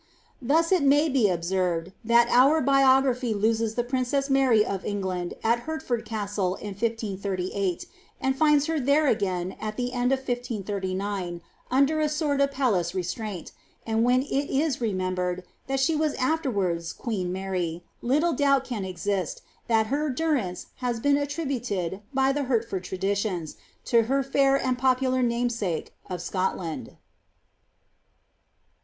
18 it may be observed, that our biography loses the princess Mary ilDgland at Hertford Castle in 1538, and fmds her there again, at the of 1 539, under a sort of palace restraint ; and when it is remem d, that she was aderwards queen Mary, little doubt can exist, that durance has been attributed, by the Hertford traditions, to her fair popular namesake of Scotland.